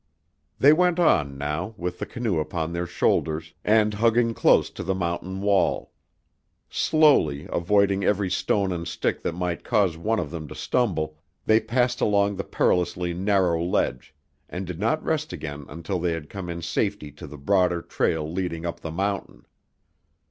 They went on, now, with the canoe upon their shoulders, and hugging close to the mountain wall. Slowly, avoiding every stone and stick that might cause one of them to stumble, they passed along the perilously narrow ledge, and did not rest again until they had come in safety to the broader trail leading up the mountain.